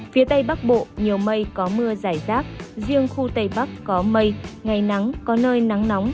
phía tây bắc bộ nhiều mây có mưa giải rác riêng khu tây bắc có mây ngày nắng có nơi nắng nóng